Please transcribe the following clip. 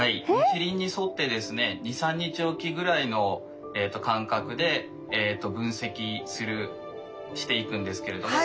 日輪に沿ってですね２３日おきぐらいのかんかくで分析していくんですけれども。